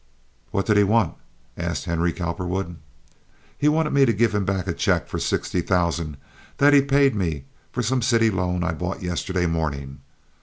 "What did he want?" asked Henry Cowperwood. "He wanted me to give him back a check for sixty thousand that he paid me for some city loan I bought yesterday morning."